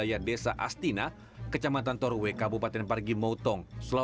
alikalora ditemukan tewas tertembak bersama satu orang anggotanya yani jakar ramadan alias ikrimah